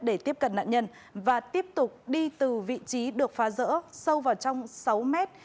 để tiếp cận nạn nhân và tiếp tục đi từ vị trí được phá rỡ sâu vào trong sáu mét